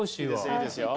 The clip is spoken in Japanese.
いいですよ。